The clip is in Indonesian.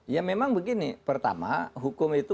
ya memang begini pertama hukum itu